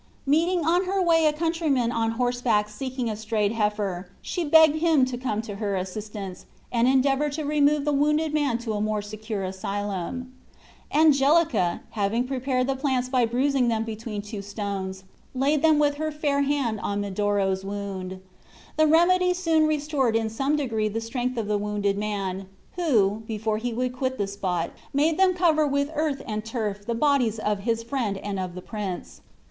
Meeting on her way a countryman on horseback seeking a strayed heifer, she begged him to come to her assistance, and endeavor to remove the wounded man to a more secure asylum. Angelica, having prepared the plants by bruising them between two stones, laid them with her fair hand on Medoro's wound. The remedy soon restored in some degree the strength of the wounded man, who, before he would quit the spot, made them cover with earth and turf the bodies of his friend and of the prince.